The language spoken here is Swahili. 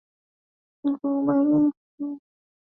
na kukubali makisio ya serikali na mikataba ya kimataifa